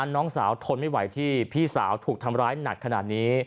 น้องสาวทนไม่ไหวที่พี่สาวถูกทำร้ายหนักขนาดนี้